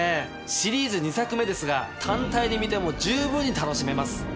シリーズ２作目ですが単体で見ても十分に楽しめます。